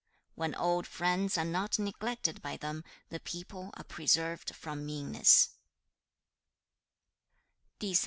When old friends are not neglected by them, the people are preserved from meanness.'